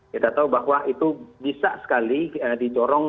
kita tahu bahwa itu bisa sekali dicorong